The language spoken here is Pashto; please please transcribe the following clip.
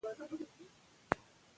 رېدي په خپله توره د دښمن سرونه غوڅ کړل.